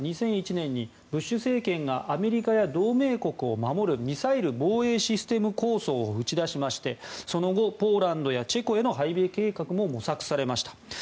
２００１年にブッシュ政権がアメリカや同盟国を守るミサイル防衛システム構想を打ち出しましてその後、ポーランドやチェコへの配備計画も模索されました。